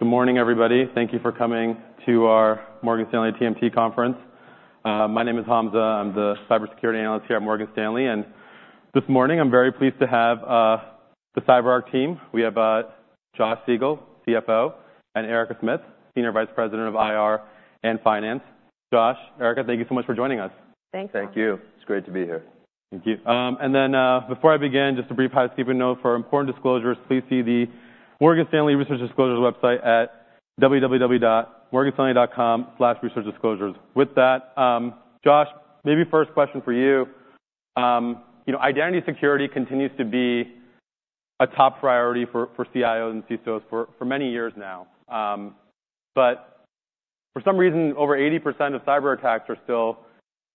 Good morning, everybody. Thank you for coming to our Morgan Stanley TMT conference. My name is Hamza. I'm the cybersecurity analyst here at Morgan Stanley. This morning, I'm very pleased to have the CyberArk team. We have Josh Siegel, CFO, and Erica Smith, Senior Vice President of IR and Finance. Josh, Erica, thank you so much for joining us. Thanks, everyone. Thank you. It's great to be here. Thank you. Then, before I begin, just a brief housekeeping note: for important disclosures, please see the Morgan Stanley Research Disclosures website at www.morganstanley.com/researchdisclosures. With that, Josh, maybe first question for you. You know, identity security continues to be a top priority for CIOs and CISOs for many years now. But for some reason, over 80% of cyberattacks are still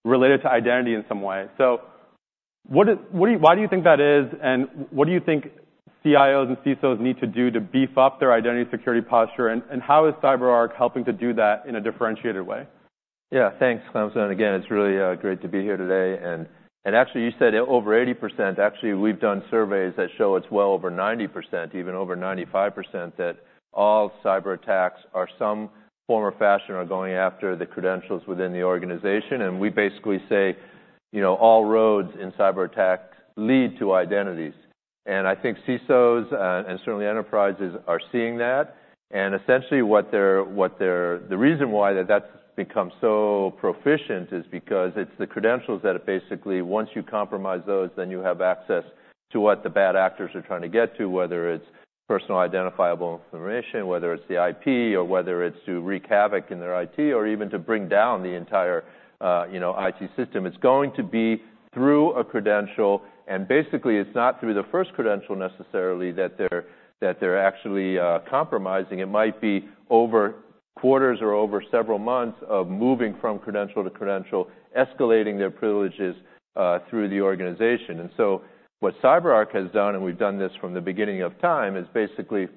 related to identity in some way. So, what do you think that is? Why do you think that is? And what do you think CIOs and CISOs need to do to beef up their identity security posture? And how is CyberArk helping to do that in a differentiated way? Yeah, thanks, Hamza. Again, it's really great to be here today. Actually, you said it's over 80%. Actually, we've done surveys that show it's well over 90%, even over 95%, that all cyberattacks are some form or fashion are going after the credentials within the organization. We basically say, you know, all roads in cyberattack lead to identities. I think CISOs, and certainly enterprises are seeing that. Essentially, what they're the reason why that's become so proficient is because it's the credentials that it basically once you compromise those, then you have access to what the bad actors are trying to get to, whether it's personally identifiable information, whether it's the IP, or whether it's to wreak havoc in their IT, or even to bring down the entire, you know, IT system. It's going to be through a credential. Basically, it's not through the first credential necessarily that they're actually compromising. It might be over quarters or over several months of moving from credential to credential, escalating their privileges through the organization. So what CyberArk has done - and we've done this from the beginning of time - is basically,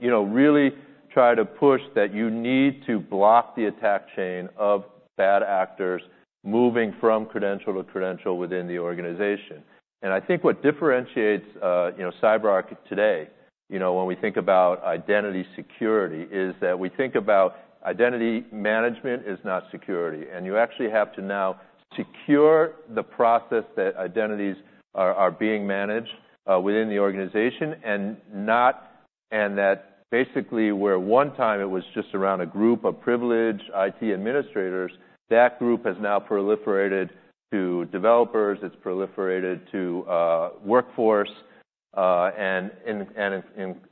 you know, really try to push that you need to block the attack chain of bad actors moving from credential to credential within the organization. I think what differentiates, you know, CyberArk today, you know, when we think about identity security, is that we think about identity management is not security. You actually have to now secure the process that identities are being managed within the organization, and not that basically, where one time it was just around a group of privileged IT administrators, that group has now proliferated to developers. It's proliferated to workforce, and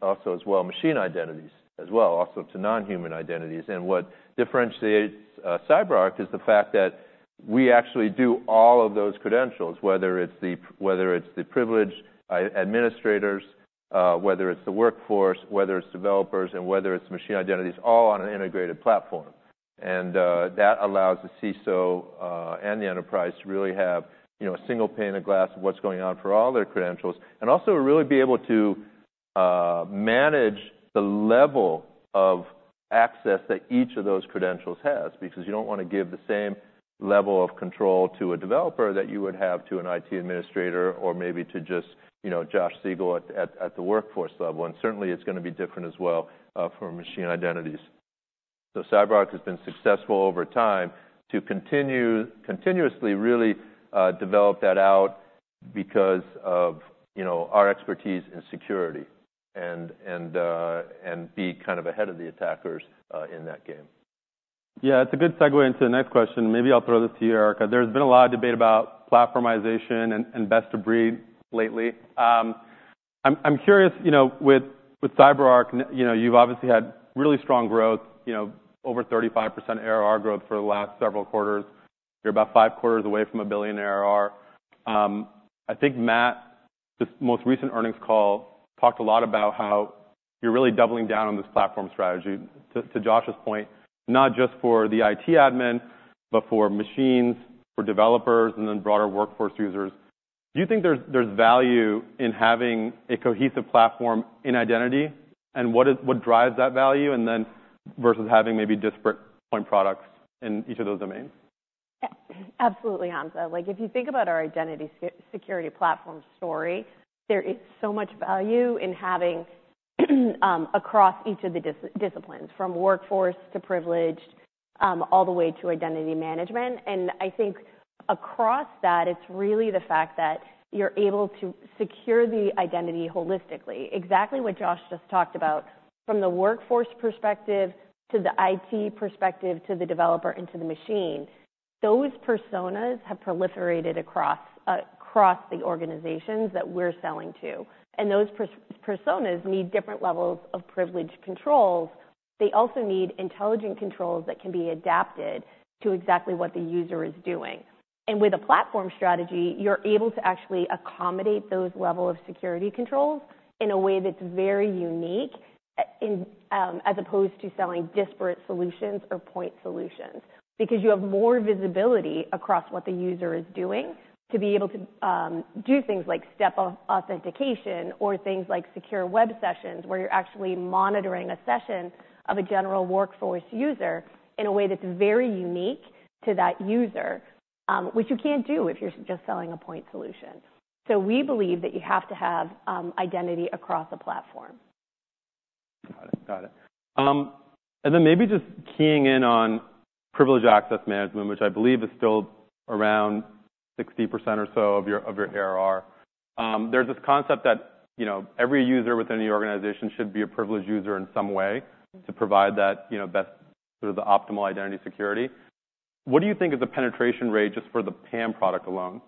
also as well machine identities as well, also to non-human identities. And what differentiates CyberArk is the fact that we actually do all of those credentials, whether it's the privileged IT administrators, whether it's the workforce, whether it's developers, and whether it's machine identities, all on an integrated platform. And that allows the CISO and the enterprise to really have, you know, a single pane of glass of what's going on for all their credentials and also really be able to manage the level of access that each of those credentials has because you don't want to give the same level of control to a developer that you would have to an IT administrator or maybe to just, you know, Josh Siegel at the workforce level. And certainly, it's going to be different as well, for machine identities. So CyberArk has been successful over time to continue continuously really, develop that out because of, you know, our expertise in security and be kind of ahead of the attackers, in that game. Yeah, it's a good segue into the next question. Maybe I'll throw this to you, Erica. There's been a lot of debate about platformization and, and best of breed lately. I'm, I'm curious, you know, with, with CyberArk, and you know, you've obviously had really strong growth, you know, over 35% ARR growth for the last several quarters. You're about five quarters away from $1 billion ARR. I think Matt, this most recent earnings call, talked a lot about how you're really doubling down on this platform strategy. To, to Josh's point, not just for the IT admin but for machines, for developers, and then broader workforce users, do you think there's, there's value in having a cohesive platform in identity? And what is what drives that value? And then versus having maybe disparate point products in each of those domains? Yeah, absolutely, Hamza. Like, if you think about our identity security platform story, there is so much value in having, across each of the disciplines, from workforce to privileged, all the way to identity management. And I think across that, it's really the fact that you're able to secure the identity holistically, exactly what Josh just talked about, from the workforce perspective to the IT perspective to the developer into the machine. Those personas have proliferated across the organizations that we're selling to. And those personas need different levels of privileged controls. They also need intelligent controls that can be adapted to exactly what the user is doing. With a platform strategy, you're able to actually accommodate those level of security controls in a way that's very unique, in, as opposed to selling disparate solutions or point solutions because you have more visibility across what the user is doing to be able to, do things like step-authentication or things like secure web sessions where you're actually monitoring a session of a general workforce user in a way that's very unique to that user, which you can't do if you're just selling a point solution. So we believe that you have to have, identity across the platform. Got it. And then maybe just keying in on privileged access management, which I believe is still around 60% or so of your ARR, there's this concept that, you know, every user within the organization should be a privileged user in some way to provide that, you know, best sort of the optimal identity security. What do you think is the penetration rate just for the PAM product alone?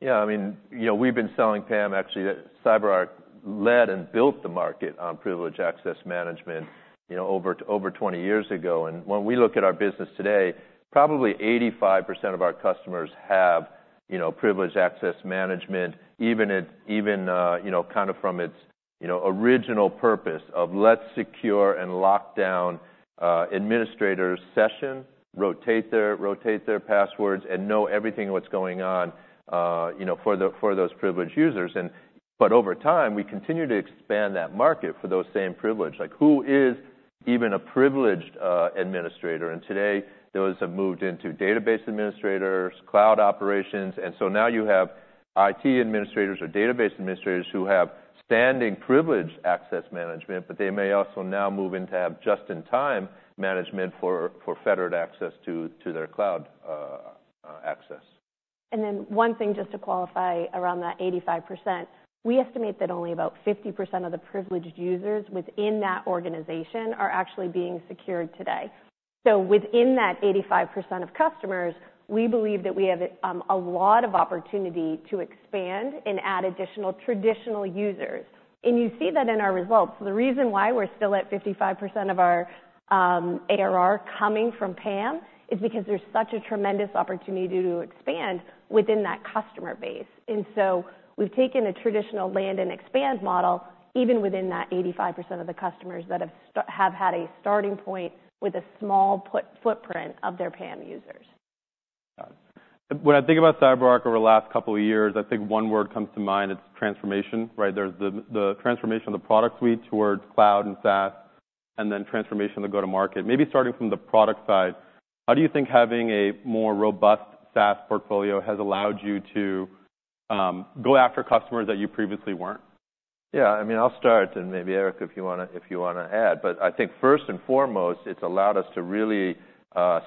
Yeah, I mean, you know, we've been selling PAM. Actually, CyberArk led and built the market on privileged access management, you know, over 20 years ago. And when we look at our business today, probably 85% of our customers have, you know, privileged access management even in, you know, kinda from its, you know, original purpose of, "Let's secure and lock down administrators' sessions, rotate their passwords, and know everything that's going on, you know, for those privileged users." But over time, we continue to expand that market for those same privileged. Like, who is even a privileged administrator? And today, those have moved into database administrators, cloud operations. And so now you have IT administrators or database administrators who have standing privileged access management, but they may also now move in to have just-in-time management for federated access to their cloud access. And then one thing just to qualify around that 85%, we estimate that only about 50% of the privileged users within that organization are actually being secured today. So within that 85% of customers, we believe that we have a lot of opportunity to expand and add additional traditional users. And you see that in our results. The reason why we're still at 55% of our ARR coming from PAM is because there's such a tremendous opportunity to expand within that customer base. And so we've taken a traditional land-and-expand model even within that 85% of the customers that have had a starting point with a small footprint of their PAM users. Got it. When I think about CyberArk over the last couple of years, I think one word comes to mind. It's transformation, right? There's the transformation of the product suite towards cloud and SaaS and then transformation of the go-to-market. Maybe starting from the product side, how do you think having a more robust SaaS portfolio has allowed you to go after customers that you previously weren't? Yeah, I mean, I'll start. And maybe, Erica, if you want to add. But I think first and foremost, it's allowed us to really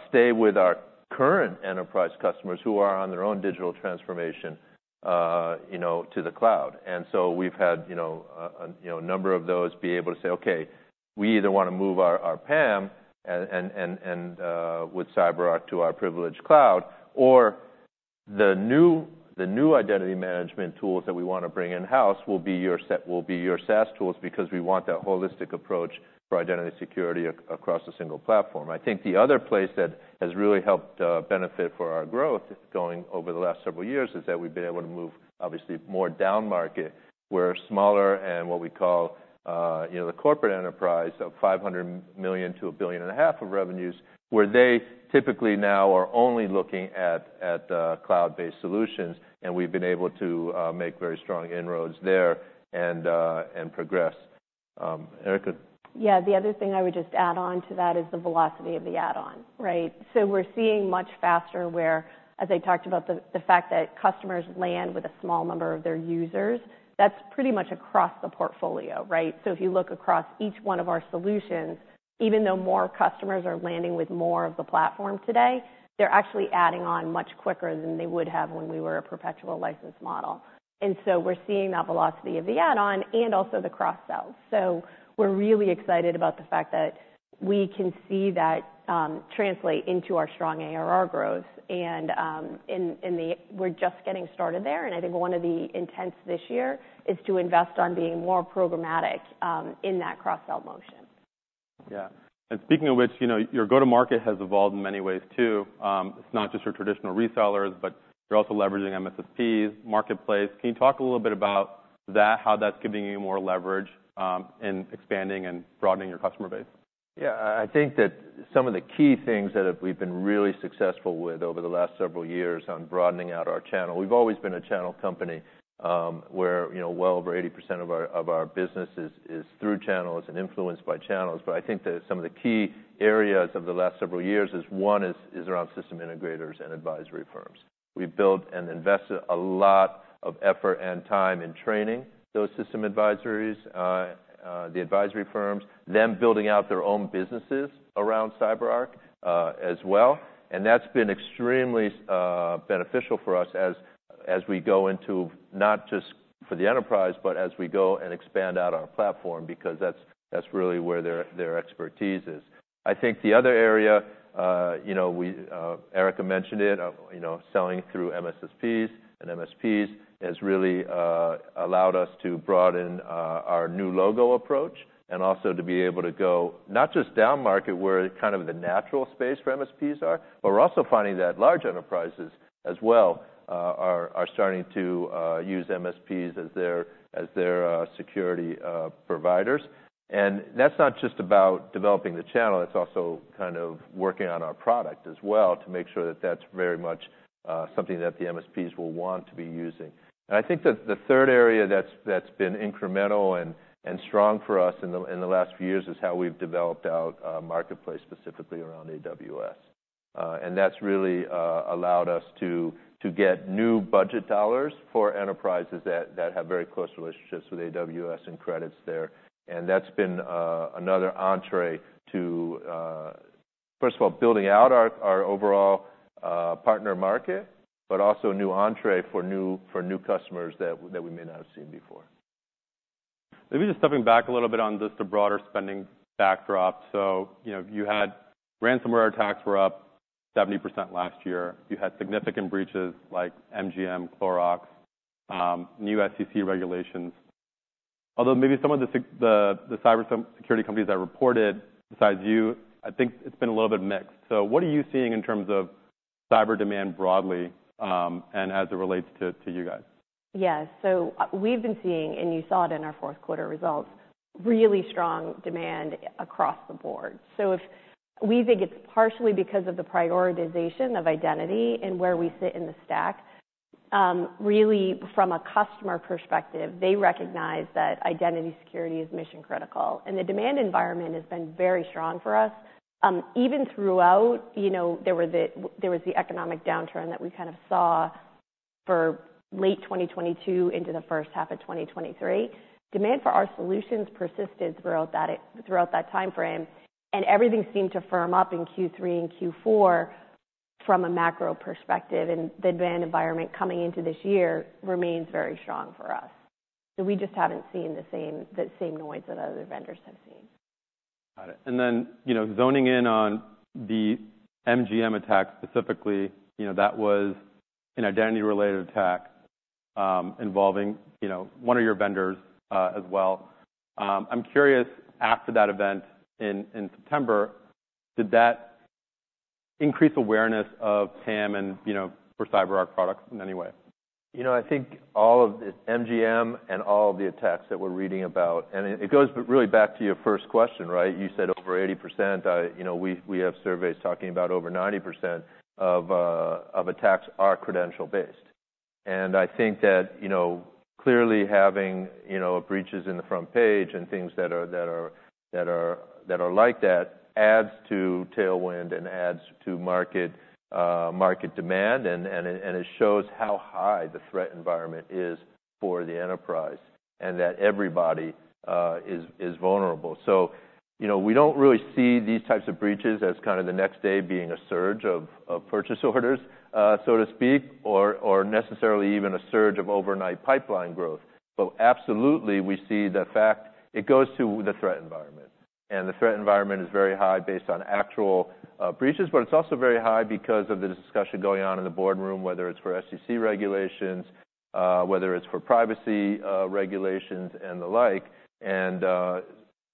stay with our current enterprise customers who are on their own digital transformation, you know, to the cloud. And so we've had, you know, and you know, a number of those be able to say, "Okay, we either want to move our PAM and with CyberArk to our Privilege Cloud, or the new identity management tools that we want to bring in-house will be your SaaS tools because we want that holistic approach for identity security across a single platform." I think the other place that has really helped benefit for our growth going over the last several years is that we've been able to move, obviously, more down-market, where smaller and what we call, you know, the corporate enterprise of $500 million-$1.5 billion of revenues, where they typically now are only looking at cloud-based solutions. And we've been able to make very strong inroads there and progress. Erica? Yeah, the other thing I would just add on to that is the velocity of the add-on, right? So we're seeing much faster where, as I talked about, the fact that customers land with a small number of their users, that's pretty much across the portfolio, right? So if you look across each one of our solutions, even though more customers are landing with more of the platform today, they're actually adding on much quicker than they would have when we were a perpetual license model. And so we're seeing that velocity of the add-on and also the cross-sell. So we're really excited about the fact that we can see that translate into our strong ARR growth. And we're just getting started there. And I think one of the intents this year is to invest on being more programmatic in that cross-sell motion. Yeah. And speaking of which, you know, your go-to-market has evolved in many ways too. It's not just your traditional resellers, but you're also leveraging MSSPs, marketplace. Can you talk a little bit about that, how that's giving you more leverage, in expanding and broadening your customer base? Yeah, I think that some of the key things that we've been really successful with over the last several years on broadening out our channel. We've always been a channel company, where, you know, well over 80% of our business is through channels and influenced by channels. But I think that some of the key areas of the last several years is one, is around system integrators and advisory firms. We've built and invested a lot of effort and time in training those system integrators, the advisory firms, them building out their own businesses around CyberArk, as well. And that's been extremely beneficial for us as we go into not just the enterprise but as we go and expand out our platform because that's really where their expertise is. I think the other area, you know, we Erica mentioned it, you know, selling through MSSPs and MSPs has really allowed us to broaden our new logo approach and also to be able to go not just down-market where kind of the natural space for MSPs are, but we're also finding that large enterprises as well are starting to use MSPs as their security providers. And that's not just about developing the channel. It's also kind of working on our product as well to make sure that that's very much something that the MSPs will want to be using. And I think that the third area that's been incremental and strong for us in the last few years is how we've developed out marketplace specifically around AWS. And that's really allowed us to get new budget dollars for enterprises that have very close relationships with AWS and credits there. And that's been another entry to, first of all, building out our overall partner market but also a new entry for new customers that we may not have seen before. Maybe just stepping back a little bit on just the broader spending backdrop. So, you know, you had ransomware attacks were up 70% last year. You had significant breaches like MGM, Clorox, new SEC regulations. Although maybe some of the cybersecurity companies that reported besides you, I think it's been a little bit mixed. So what are you seeing in terms of cyber demand broadly, and as it relates to you guys? Yeah, so we've been seeing and you saw it in our fourth quarter results really strong demand across the board. So if we think it's partially because of the prioritization of identity and where we sit in the stack, really from a customer perspective, they recognize that identity security is mission critical. And the demand environment has been very strong for us, even throughout, you know, there was the economic downturn that we kind of saw for late 2022 into the first half of 2023, demand for our solutions persisted throughout that time frame. And everything seemed to firm up in Q3 and Q4 from a macro perspective. And the demand environment coming into this year remains very strong for us. So we just haven't seen the same noise that other vendors have seen. Got it. And then, you know, zoning in on the MGM attack specifically, you know, that was an identity-related attack, involving, you know, one of your vendors, as well. I'm curious, after that event in September, did that increase awareness of PAM and, you know, for CyberArk products in any way? You know, I think all of the MGM and all of the attacks that we're reading about, and it goes really back to your first question, right? You said over 80%. You know, we have surveys talking about over 90% of attacks are credential-based. And I think that, you know, clearly having, you know, breaches in the front page and things that are that are that are that are like that adds to tailwind and adds to market, market demand. And, and it and it shows how high the threat environment is for the enterprise and that everybody, is, is vulnerable. So, you know, we don't really see these types of breaches as kinda the next day being a surge of, of purchase orders, so to speak, or, or necessarily even a surge of overnight pipeline growth. But absolutely, we see the fact it goes to the threat environment. The threat environment is very high based on actual breaches. But it's also very high because of the discussion going on in the boardroom, whether it's for SEC regulations, whether it's for privacy regulations and the like.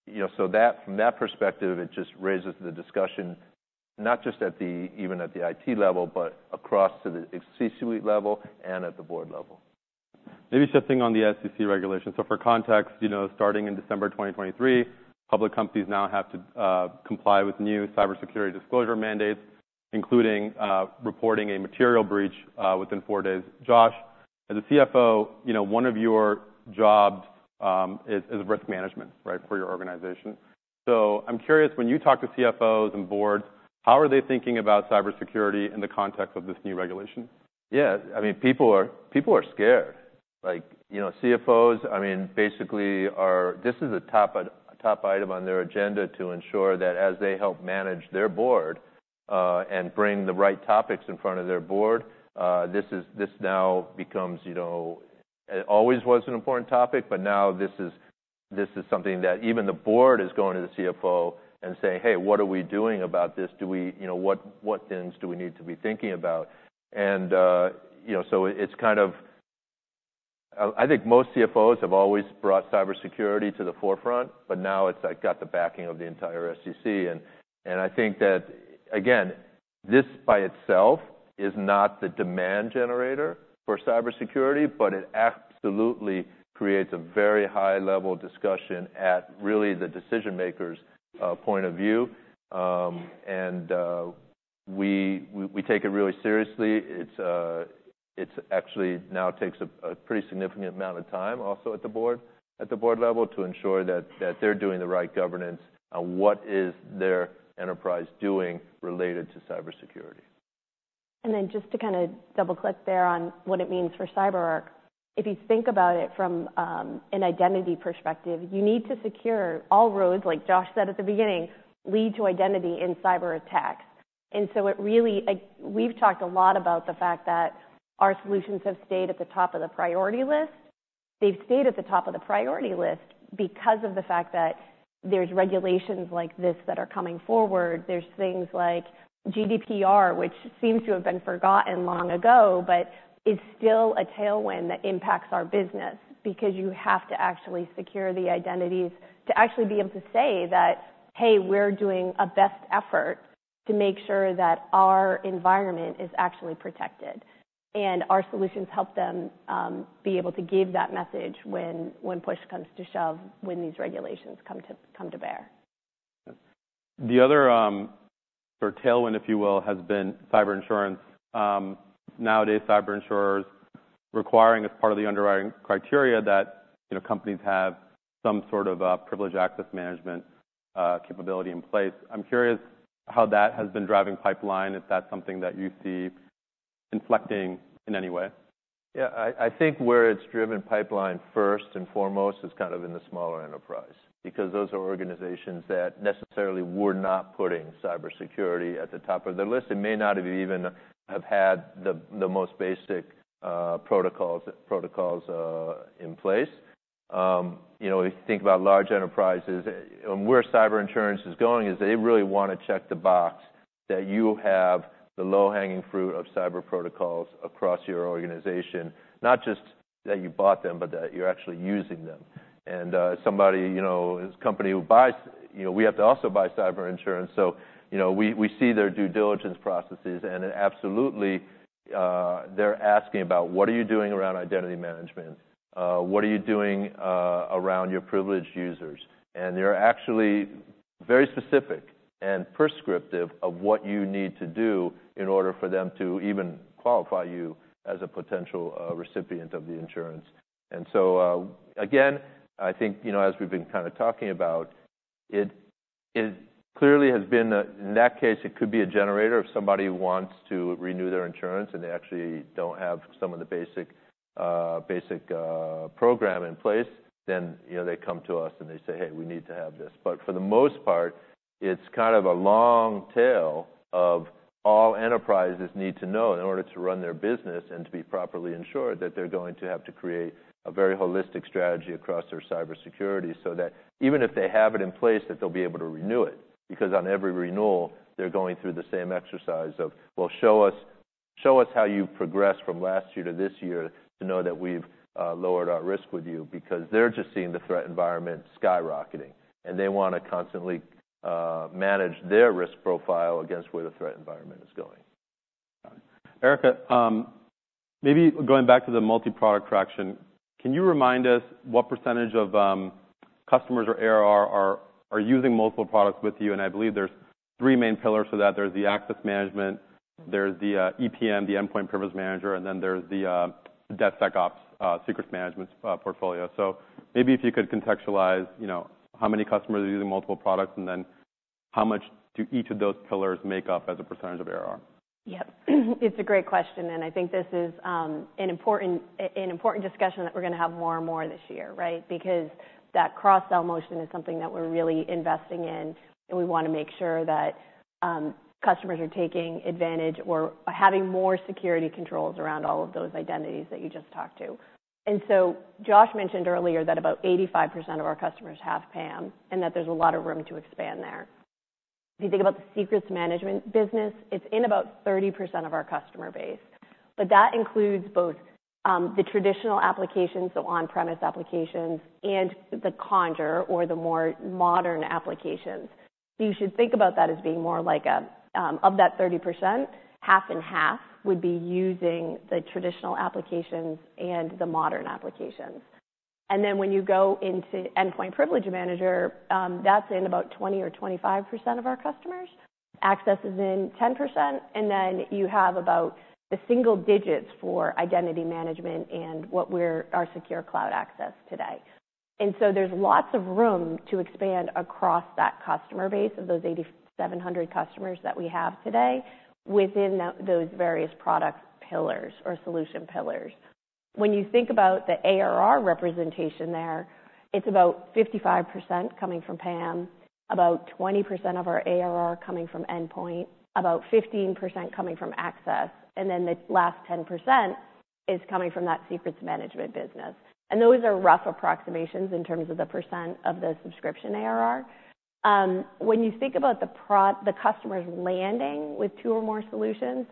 You know, so that from that perspective, it just raises the discussion not just even at the IT level but across to the C-suite level and at the board level. Maybe shifting on the SEC regulations. So for context, you know, starting in December 2023, public companies now have to comply with new cybersecurity disclosure mandates, including reporting a material breach within four days. Josh, as a CFO, you know, one of your jobs is risk management, right, for your organization. So I'm curious, when you talk to CFOs and boards, how are they thinking about cybersecurity in the context of this new regulation? Yeah, I mean, people are scared. Like, you know, CFOs, I mean, basically this is a top item on their agenda to ensure that as they help manage their board and bring the right topics in front of their board, this now becomes, you know, it always was an important topic, but now this is something that even the board is going to the CFO and saying, "Hey, what are we doing about this? You know, what things do we need to be thinking about?" And, you know, so it's kind of, I think most CFOs have always brought cybersecurity to the forefront, but now it's like got the backing of the entire SEC. I think that, again, this by itself is not the demand generator for cybersecurity, but it absolutely creates a very high-level discussion at really the decision-makers' point of view. We take it really seriously. It's actually now takes a pretty significant amount of time also at the board level to ensure that they're doing the right governance on what is their enterprise doing related to cybersecurity. And then just to kind of double-click there on what it means for CyberArk, if you think about it from an identity perspective, you need to secure all roads, like Josh said at the beginning, lead to identity in cyberattacks. And so it really we've talked a lot about the fact that our solutions have stayed at the top of the priority list. They've stayed at the top of the priority list because of the fact that there's regulations like this that are coming forward. There's things like GDPR, which seems to have been forgotten long ago but is still a tailwind that impacts our business because you have to actually secure the identities to actually be able to say that, "Hey, we're doing a best effort to make sure that our environment is actually protected." And our solutions help them be able to give that message when, when push comes to shove, when these regulations come to come to bear. Yeah. The other, sort of tailwind, if you will, has been cyber insurance. Nowadays, cyber insurers requiring as part of the underwriting criteria that, you know, companies have some sort of, privileged access management, capability in place. I'm curious how that has been driving pipeline. Is that something that you see inflecting in any way? Yeah, I think where it's driven pipeline first and foremost is kind of in the smaller enterprise because those are organizations that necessarily were not putting cybersecurity at the top of their list. It may not have even have had the most basic protocols in place. You know, if you think about large enterprises, and where cyber insurance is going is they really want to check the box that you have the low-hanging fruit of cyber protocols across your organization, not just that you bought them but that you're actually using them. And somebody, you know, a company who buys you know, we have to also buy cyber insurance. So, you know, we see their due diligence processes. And it absolutely, they're asking about, "What are you doing around identity management? What are you doing around your privileged users?" And they're actually very specific and prescriptive of what you need to do in order for them to even qualify you as a potential recipient of the insurance. And so, again, I think, you know, as we've been kind of talking about, it, it clearly has been a in that case, it could be a generator. If somebody wants to renew their insurance and they actually don't have some of the basic program in place, then, you know, they come to us and they say, "Hey, we need to have this." But for the most part, it's kind of a long tail of all enterprises need to know in order to run their business and to be properly insured that they're going to have to create a very holistic strategy across their cybersecurity so that even if they have it in place, that they'll be able to renew it because on every renewal, they're going through the same exercise of, "Well, show us show us how you've progressed from last year to this year to know that we've lowered our risk with you," because they're just seeing the threat environment skyrocketing. They want to constantly manage their risk profile against where the threat environment is going. Got it. Erica, maybe going back to the multi-product traction, can you remind us what percentage of customers or ARR are using multiple products with you? And I believe there's three main pillars to that. There's the access management. There's the EPM, the Endpoint Privilege Manager. And then there's the DevSecOps secrets management portfolio. So maybe if you could contextualize, you know, how many customers are using multiple products and then how much do each of those pillars make up as a percentage of ARR? Yep. It's a great question. I think this is an important discussion that we're going to have more and more this year, right, because that cross-sell motion is something that we're really investing in. And we want to make sure that customers are taking advantage or having more security controls around all of those identities that you just talked to. And so Josh mentioned earlier that about 85% of our customers have PAM and that there's a lot of room to expand there. If you think about the secrets management business, it's in about 30% of our customer base. But that includes both the traditional applications, so on-premise applications, and the Conjur or the more modern applications. So you should think about that as being more like a, of that 30%, half and half would be using the traditional applications and the modern applications. And then when you go into Endpoint Privilege Manager, that's in about 20 or 25% of our customers. Access is in 10%. And then you have about the single digits for identity management and what we're our Secure Cloud Access today. And so there's lots of room to expand across that customer base of those 8,700 customers that we have today within those various product pillars or solution pillars. When you think about the ARR representation there, it's about 55% coming from PAM, about 20% of our ARR coming from endpoint, about 15% coming from access. And then the last 10% is coming from that secrets management business. And those are rough approximations in terms of the % of the subscription ARR. When you think about the proportion of customers landing with two or more solutions,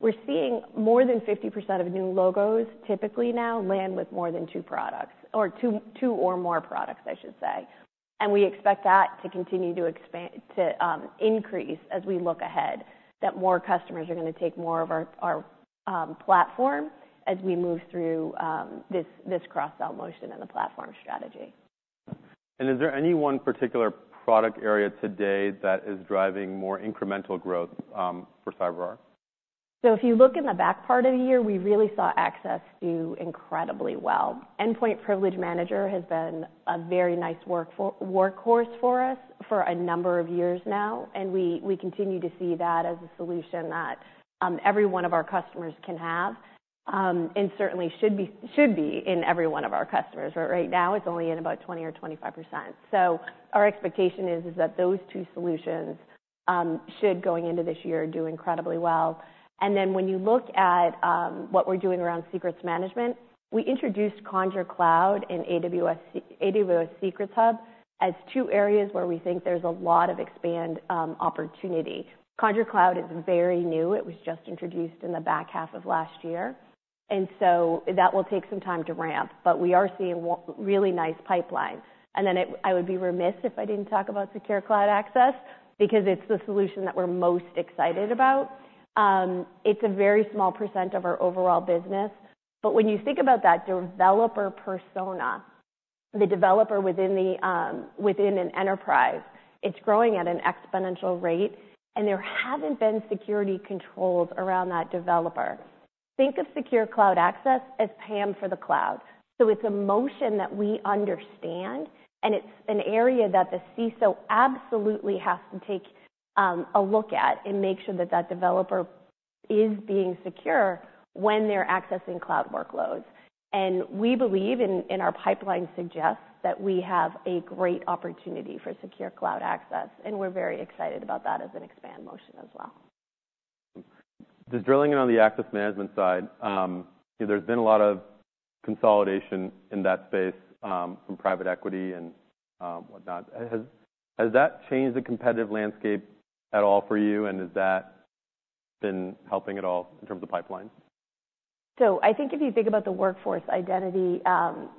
we're seeing more than 50% of new logos typically now land with more than two products or two, two or more products, I should say. And we expect that to continue to expand to increase as we look ahead, that more customers are going to take more of our platform as we move through this cross-sell motion and the platform strategy. Is there any one particular product area today that is driving more incremental growth for CyberArk? So if you look in the back part of the year, we really saw access do incredibly well. Endpoint Privilege Manager has been a very nice workhorse for us for a number of years now. And we continue to see that as a solution that every one of our customers can have, and certainly should be in every one of our customers. But right now, it's only in about 20% or 25%. So our expectation is that those two solutions should going into this year do incredibly well. And then when you look at what we're doing around secrets management, we introduced Conjur Cloud and AWS Secrets Hub as two areas where we think there's a lot of expansion opportunity. Conjur Cloud is very new. It was just introduced in the back half of last year. And so that will take some time to ramp. But we are seeing a really nice pipeline. And then, I would be remiss if I didn't talk about Secure Cloud Access because it's the solution that we're most excited about. It's a very small percent of our overall business. But when you think about that developer persona, the developer within an enterprise, it's growing at an exponential rate. And there haven't been security controls around that developer. Think of Secure Cloud Access as PAM for the cloud. So it's a motion that we understand. And it's an area that the CISO absolutely has to take a look at and make sure that that developer is being secure when they're accessing cloud workloads. And we believe in our pipeline suggests that we have a great opportunity for Secure Cloud Access. We're very excited about that as an expansion motion as well. Just drilling in on the access management side, you know, there's been a lot of consolidation in that space, from private equity and whatnot. Has that changed the competitive landscape at all for you? And has that been helping at all in terms of pipeline? So I think if you think about the workforce identity,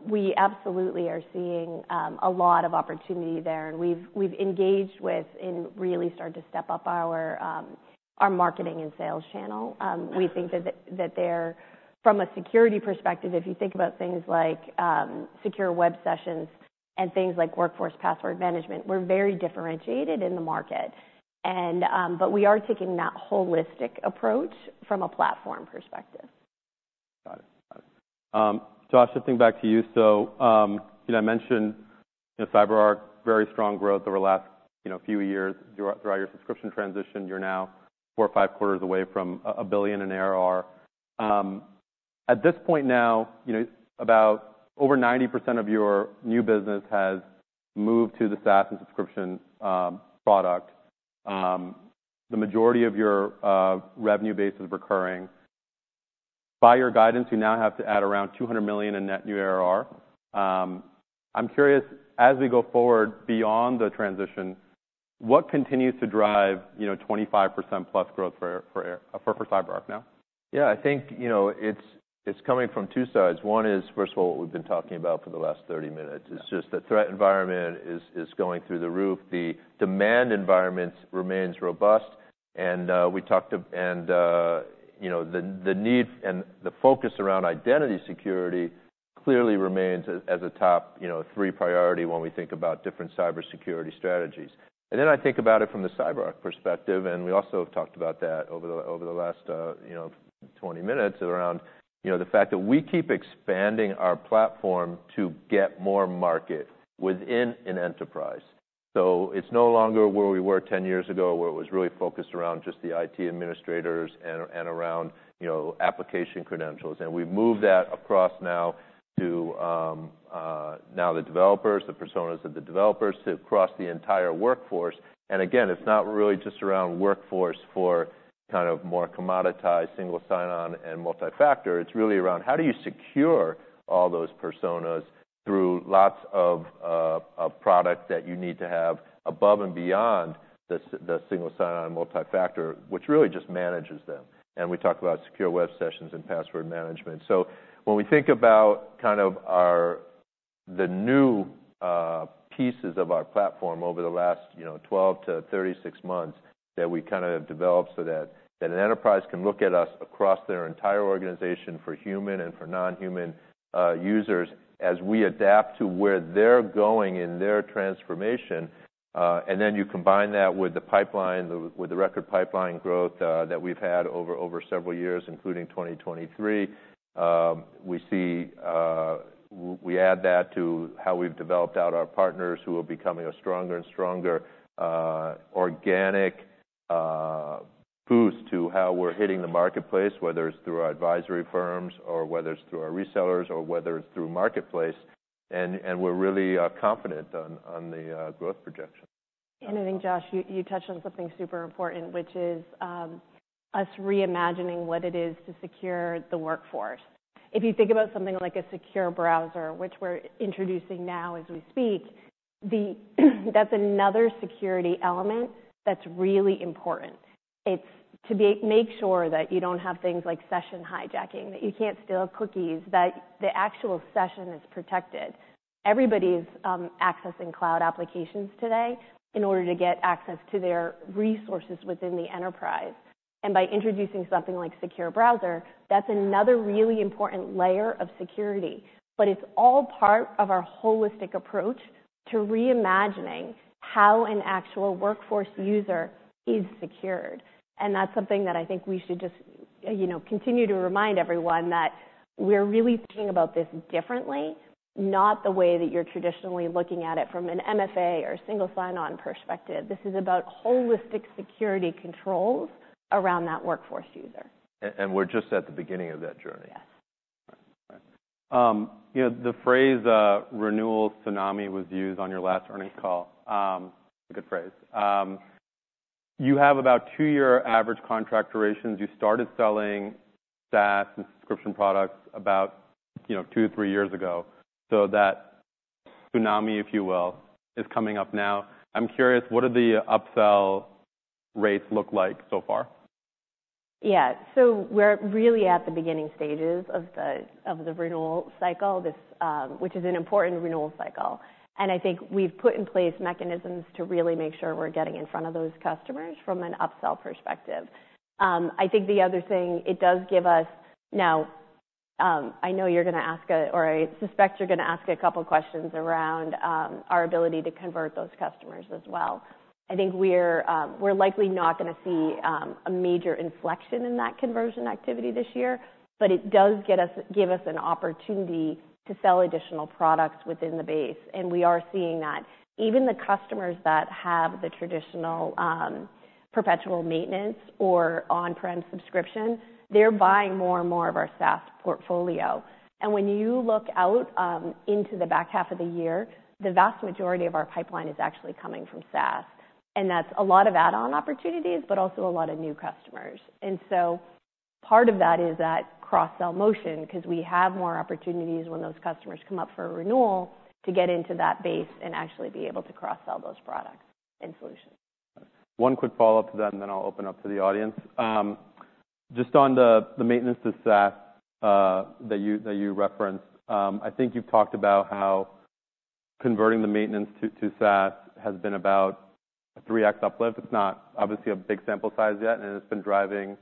we absolutely are seeing a lot of opportunity there. We've engaged with and really started to step up our marketing and sales channel. We think that they're from a security perspective, if you think about things like Secure Web Sessions and things like Workforce Password Management, we're very differentiated in the market. But we are taking that holistic approach from a platform perspective. Got it. Got it. Josh, shifting back to you. So, you know, I mentioned, you know, CyberArk, very strong growth over the last, you know, few years throughout your subscription transition. You're now four or five quarters away from a $1 billion in ARR. At this point now, you know, about over 90% of your new business has moved to the SaaS and subscription product. The majority of your revenue base is recurring. By your guidance, you now have to add around $200 million in net new ARR. I'm curious, as we go forward beyond the transition, what continues to drive, you know, 25%+ growth for ARR for CyberArk now? Yeah, I think, you know, it's, it's coming from two sides. One is, first of all, what we've been talking about for the last 30 minutes. It's just the threat environment is going through the roof. The demand environment remains robust. And we talked about, and you know, the need and the focus around identity security clearly remains as a top, you know, three priority when we think about different cybersecurity strategies. And then I think about it from the CyberArk perspective. And we also have talked about that over the last, you know, 20 minutes around, you know, the fact that we keep expanding our platform to get more market within an enterprise. So it's no longer where we were 10 years ago where it was really focused around just the IT administrators and around, you know, application credentials. And we've moved that across now to now the developers, the personas of the developers to across the entire workforce. And again, it's not really just around workforce for kind of more commoditized, single sign-on, and multifactor. It's really around how do you secure all those personas through lots of product that you need to have above and beyond the single sign-on, multifactor, which really just manages them. And we talk about Secure Web Sessions and password management. So when we think about kind of our new pieces of our platform over the last, you know, 12 to 36 months that we kinda have developed so that an enterprise can look at us across their entire organization for human and for non-human users as we adapt to where they're going in their transformation. And then you combine that with the pipeline with the record pipeline growth that we've had over several years, including 2023. We see, we add that to how we've developed out our partners who are becoming a stronger and stronger organic boost to how we're hitting the marketplace, whether it's through our advisory firms or whether it's through our resellers or whether it's through marketplace. And we're really confident on the growth projection. And I think, Josh, you, you touched on something super important, which is, us reimagining what it is to secure the workforce. If you think about something like a Secure Browser, which we're introducing now as we speak, then that's another security element that's really important. It's to make sure that you don't have things like session hijacking, that you can't steal cookies, that the actual session is protected. Everybody's accessing cloud applications today in order to get access to their resources within the enterprise. And by introducing something like Secure Browser, that's another really important layer of security. But it's all part of our holistic approach to reimagining how an actual workforce user is secured. That's something that I think we should just, you know, continue to remind everyone that we're really thinking about this differently, not the way that you're traditionally looking at it from an MFA or Single Sign-On perspective. This is about holistic security controls around that workforce user. And we're just at the beginning of that journey. Yes. All right. All right. You know, the phrase, renewal tsunami was used on your last earnings call. It's a good phrase. You have about 2-year average contract durations. You started selling SaaS and subscription products about, you know, 2-3 years ago. So that tsunami, if you will, is coming up now. I'm curious, what do the upsell rates look like so far? Yeah. So we're really at the beginning stages of the renewal cycle, which is an important renewal cycle. And I think we've put in place mechanisms to really make sure we're getting in front of those customers from an upsell perspective. I think the other thing, it does give us now. I know you're going to ask, or I suspect you're going to ask a couple questions around our ability to convert those customers as well. I think we're likely not going to see a major inflection in that conversion activity this year. But it does give us an opportunity to sell additional products within the base. And we are seeing that even the customers that have the traditional perpetual maintenance or on-prem subscription, they're buying more and more of our SaaS portfolio. When you look out into the back half of the year, the vast majority of our pipeline is actually coming from SaaS. That's a lot of add-on opportunities but also a lot of new customers. So part of that is that cross-sell motion 'cause we have more opportunities when those customers come up for a renewal to get into that base and actually be able to cross-sell those products and solutions. One quick follow-up to that, and then I'll open up to the audience. Just on the maintenance to SaaS that you referenced, I think you've talked about how converting the maintenance to SaaS has been about a 3x uplift. It's not obviously a big sample size yet. It's been driving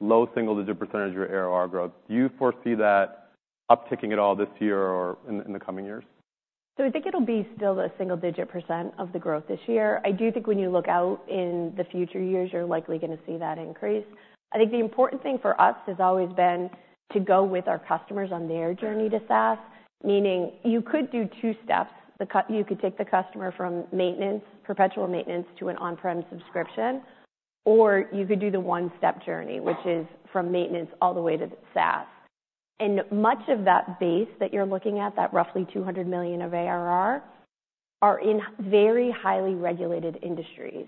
low single-digit % of your ARR growth. Do you foresee that upticking at all this year or in the coming years? So I think it'll be still the single-digit % of the growth this year. I do think when you look out in the future years, you're likely going to see that increase. I think the important thing for us has always been to go with our customers on their journey to SaaS, meaning you could do two steps. You could take the customer from maintenance, perpetual maintenance, to an on-prem subscription. Or you could do the one-step journey, which is from maintenance all the way to SaaS. And much of that base that you're looking at, that roughly $200 million of ARR, are in very highly regulated industries.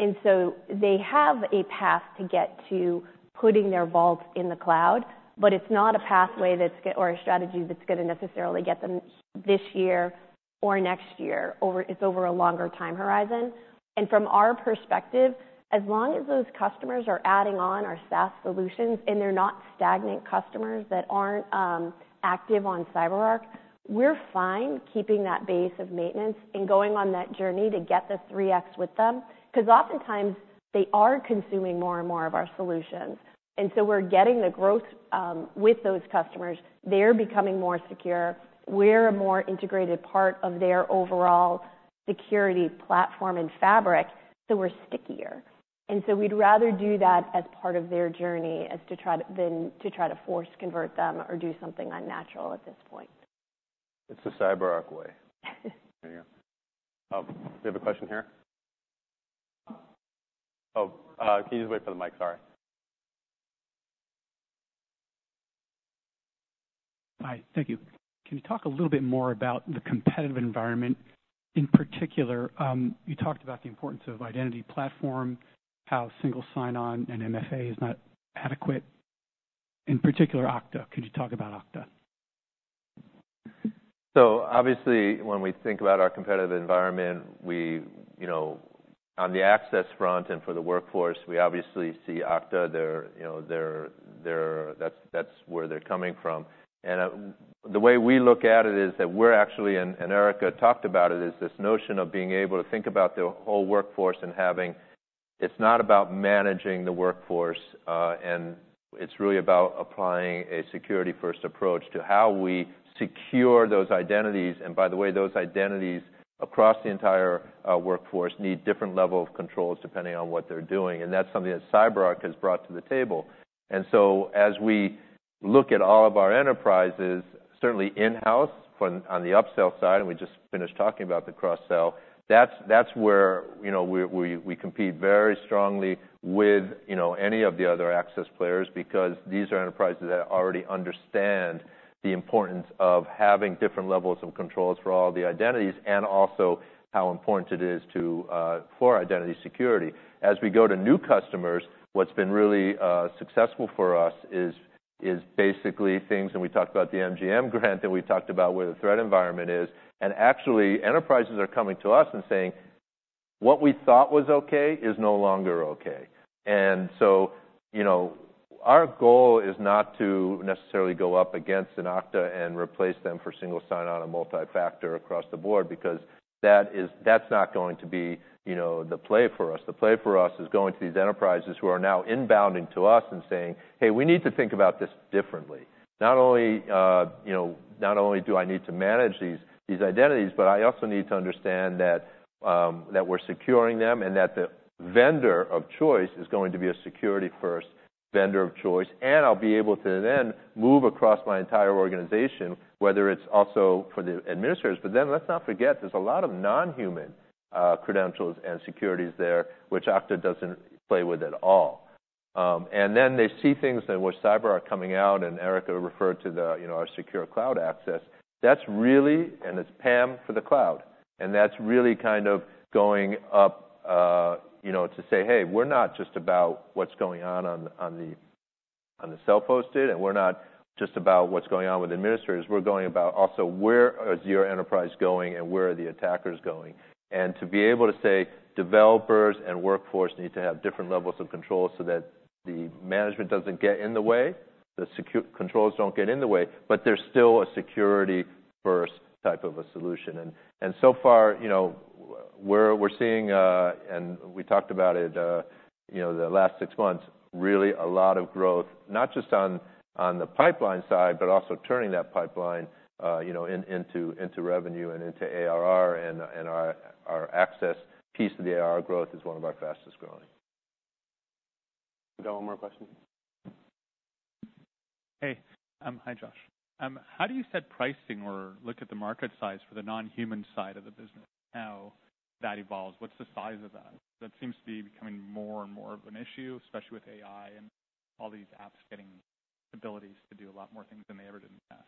And so they have a path to get to putting their vaults in the cloud. But it's not a pathway that's going to or a strategy that's going to necessarily get them there this year or next year over. It's over a longer time horizon. And from our perspective, as long as those customers are adding on our SaaS solutions and they're not stagnant customers that aren't active on CyberArk, we're fine keeping that base of maintenance and going on that journey to get the 3X with them 'cause oftentimes they are consuming more and more of our solutions. And so we're getting the growth with those customers. They're becoming more secure. We're a more integrated part of their overall security platform and fabric. So we're stickier. And so we'd rather do that as part of their journey as to try to than to try to force-convert them or do something unnatural at this point. It's the CyberArk way. There you go. Do you have a question here? Oh, can you just wait for the mic? Sorry. Hi. Thank you. Can you talk a little bit more about the competitive environment in particular? You talked about the importance of identity platform, how single sign-on and MFA is not adequate. In particular, Okta. Could you talk about Okta? So obviously, when we think about our competitive environment, we, you know, on the access front and for the workforce, we obviously see Okta. They're, you know, that's where they're coming from. And the way we look at it is that we're actually, and Erica talked about it, is this notion of being able to think about the whole workforce and having, it's not about managing the workforce, and it's really about applying a security-first approach to how we secure those identities. And by the way, those identities across the entire workforce need different level of controls depending on what they're doing. And that's something that CyberArk has brought to the table. So as we look at all of our enterprises, certainly in-house and on the upsell side - and we just finished talking about the cross-sell - that's, that's where, you know, we, we, we compete very strongly with, you know, any of the other access players because these are enterprises that already understand the importance of having different levels of controls for all the identities and also how important it is to, for identity security. As we go to new customers, what's been really successful for us is, is basically things and we talked about the MGM breach. We talked about where the threat environment is. Actually, enterprises are coming to us and saying, "What we thought was okay is no longer okay." So, you know, our goal is not to necessarily go up against an Okta and replace them for single sign-on and multifactor across the board because that's not going to be, you know, the play for us. The play for us is going to these enterprises who are now inbounding to us and saying, "Hey, we need to think about this differently." Not only, you know, not only do I need to manage these identities, but I also need to understand that we're securing them and that the vendor of choice is going to be a security-first vendor of choice. And I'll be able to then move across my entire organization, whether it's also for the administrators. But then, let's not forget, there's a lot of non-human credentials and secrets there, which Okta doesn't play with at all. And then they see things in which CyberArk coming out and Erica referred to the, you know, our Secure Cloud Access. That's really, and it's PAM for the cloud. And that's really kind of going up, you know, to say, "Hey, we're not just about what's going on on the self-hosted. And we're not just about what's going on with administrators. We're going about also where is your enterprise going and where are the attackers going?" And to be able to say, "Developers and workforce need to have different levels of control so that the management doesn't get in the way, the security controls don't get in the way, but they're still a security-first type of a solution." And so far, you know, we're seeing, and we talked about it, you know, the last six months, really a lot of growth not just on the pipeline side but also turning that pipeline, you know, into revenue and into ARR. And our access piece of the ARR growth is one of our fastest growing. We got one more question. Hey. Hi, Josh. How do you set pricing or look at the market size for the non-human side of the business? How that evolves? What's the size of that? That seems to be becoming more and more of an issue, especially with AI and all these apps getting abilities to do a lot more things than they ever did in the past.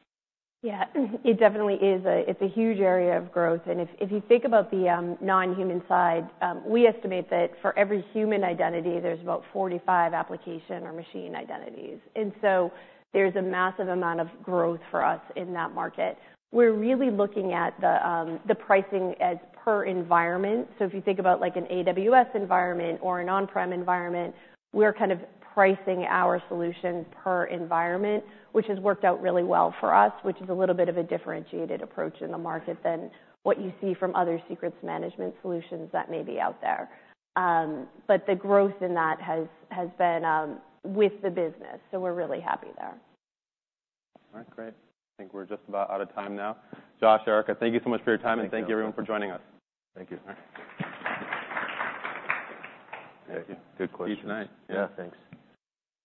Yeah. It definitely is. It's a huge area of growth. And if, if you think about the non-human side, we estimate that for every human identity, there's about 45 application or machine identities. And so there's a massive amount of growth for us in that market. We're really looking at the pricing as per environment. So if you think about, like, an AWS environment or an on-prem environment, we're kind of pricing our solution per environment, which has worked out really well for us, which is a little bit of a differentiated approach in the market than what you see from other secrets management solutions that may be out there. But the growth in that has been with the business. So we're really happy there. All right. Great. I think we're just about out of time now. Josh, Erica, thank you so much for your time. Thank you. Thank you, everyone, for joining us. Thank you. All right. Thank you. Good question. See you tonight. Yeah. Thanks.